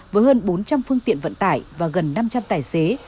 với hơn bốn trăm linh phương tiện vận tải và gần năm trăm linh tài xế